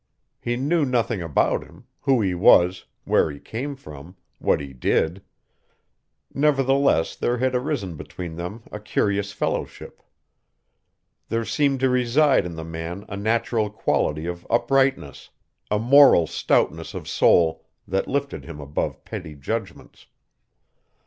He knew nothing about him, who he was, where he came from, what he did. Nevertheless there had arisen between them a curious fellowship. There seemed to reside in the man a natural quality of uprightness, a moral stoutness of soul that lifted him above petty judgments.